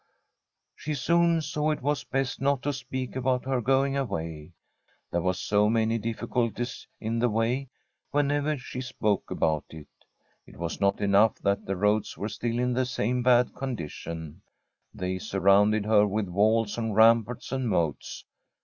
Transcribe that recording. She soon saw it was best not to speak about her going away. There were so many difficul ties in the way whenever she spoke about it. It [losl From a SWEDISH HOMESTEAD was not enough that the roads were still in the same bad condition; they surrounded her with walls and ramparts and moats.